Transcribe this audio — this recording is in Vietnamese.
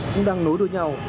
cũng đang nối đôi nhau